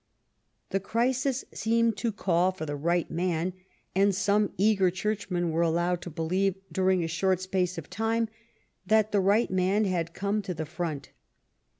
The crisis seemed to call for the right man, and some eager churchmen were allowed to believe, during a short space of time, that the right man had come to the front.